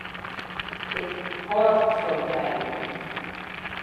Ik hâld fan dy.